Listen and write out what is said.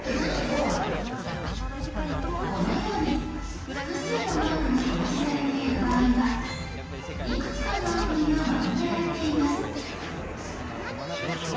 このように複数のマークが表示されている場合はいくつかのアプリがまとめられています。